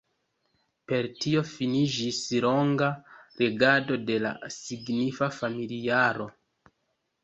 Per tio finiĝis longa regado de la signifa familiaro.